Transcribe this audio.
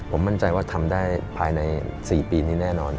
ผมมั่นใจว่าทำได้ภายใน๔ปีนี้แน่นอน